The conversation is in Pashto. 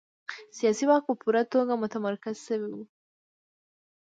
سیاسي واک په پوره توګه متمرکز شوی و.